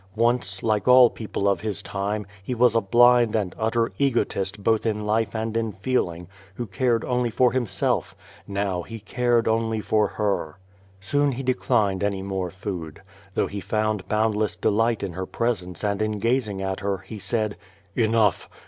Once, like all people of his time, he was a blind and utter egotist both in life and in feeling, who cared only for himself: now he cared only for her. Soon he declined any more food. Though he found boimd less delight in her presence and in gazing at her, he said: "Enough!